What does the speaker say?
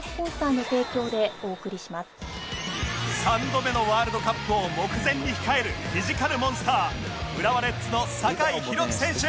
３度目のワールドカップを目前に控えるフィジカルモンスター浦和レッズの酒井宏樹選手